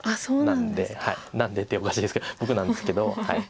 「なんで」っておかしいですけど僕なんですけど。